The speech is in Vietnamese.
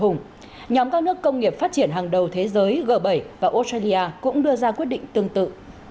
nhóm các nước công nghiệp phát triển hàng đầu thế giới g bảy và australia cũng đưa ra quyết định tương tự